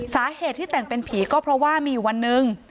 สาเหตุที่แต่งเป็นผีก็เพราะว่ามีอยู่วันหนึ่ง